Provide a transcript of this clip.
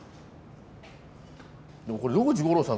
でもこれ野口五郎さん